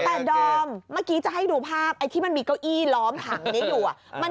แต่ดอมเมื่อกี้จะให้ดูภาพไอ้ที่มันมีเก้าอี้ล้อมถังนี้อยู่